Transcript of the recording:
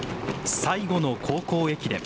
最後の高校駅伝。